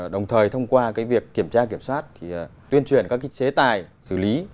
đồng thời thông qua việc kiểm tra kiểm soát thì tuyên truyền các chế tài xử lý